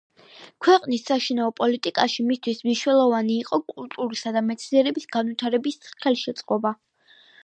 ქვეყნის საშინაო პოლიტიკაში მისთვის მნიშვნელოვანი იყო კულტურისა და მეცნიერების განვითარების ხელშეწყობა.